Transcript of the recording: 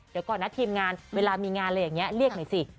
เดี๋ยวก่อนนะทีมงานเวลามีงานอะไรอย่างนี้เรียกหน่อยสิ